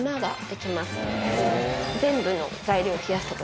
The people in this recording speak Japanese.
全部の材料を冷やした時。